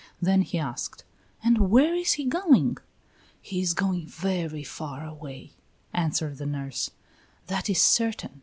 Then he asked: "And where is he going?" "He is going very far away," answered the nurse. "That is certain.